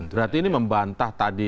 berarti ini membantah tadi